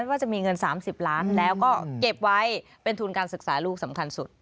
ว่าจะมีเงิน๓๐ล้านแล้วก็เก็บไว้เป็นทุนการศึกษาลูกสำคัญสุด